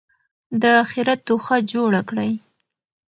د آخرت توښه جوړه کړئ.